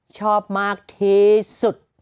ชอบมากเทสุด